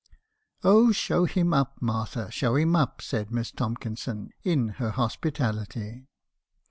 <u Oh, show him up, Martha, show him up!' said Miss Tomkinson , in her hospitality.